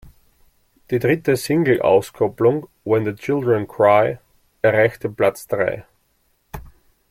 Die dritte Singleauskopplung "When the Children Cry" erreichte Platz drei.